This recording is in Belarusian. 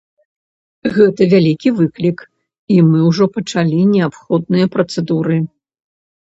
Гэта вялікі выклік, і мы ўжо пачалі неабходныя працэдуры.